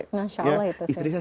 insya allah itu sih